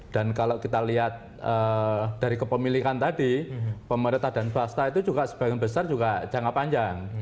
dan kalau kita lihat dari kepemilikan tadi pemerintah dan swasta itu juga sebagian besar juga jangka panjang